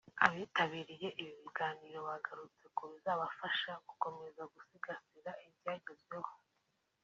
Abitabiriye ibi biganiro bagarutse ku bizabafasha gukomeza gusigasira ibyagezweho